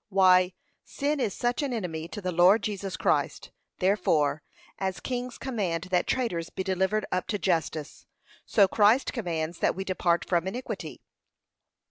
Why, sin is such an enemy to the Lord Jesus Christ; therefore, as kings command that traitors be delivered up to justice, so Christ commands that we depart from iniquity.